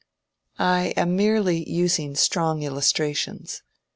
I am merely using strong illustrations.